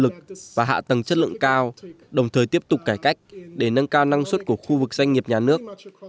chất lượng cao đồng thời tiếp tục cải cách để nâng cao năng suất của khu vực doanh nghiệp nhà nước